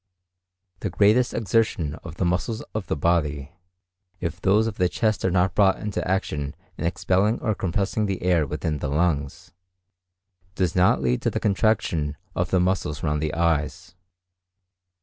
The greatest exertion of the muscles of the body, if those of the chest are not brought into strong action in expelling or compressing the air within the lungs, does not lead to the contraction of the muscles round the eyes.